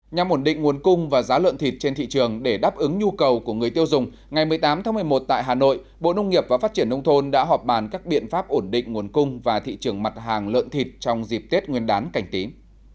nhằm ổn định nguồn cung và giá lợn thịt trên thị trường để đáp ứng nhu cầu của người tiêu dùng ngày một mươi tám tháng một mươi một tại hà nội bộ nông nghiệp và phát triển nông thôn đã họp bàn các biện pháp ổn định nguồn cung và thị trường mặt hàng lợn thịt trong dịp tết nguyên đán cảnh tín